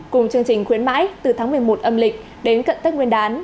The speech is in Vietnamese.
cùng chương trình khuyến mãi từ tháng một mươi một âm lịch đến cận tết nguyên đán